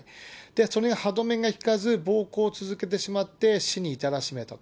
それに歯止めが効かず、暴行を続けてしまって、死に至らしめたと。